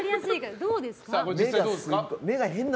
どうですか？